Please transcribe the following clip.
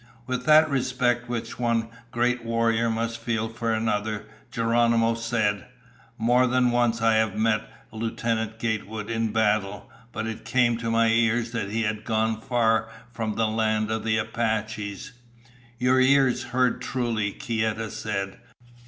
With that respect which one great warrior must feel for another, Geronimo said, "More than once I have met Lieutenant Gatewood in battle. But it came to my ears that he had gone far from the land of the Apaches." "Your ears heard truly," Kieta said.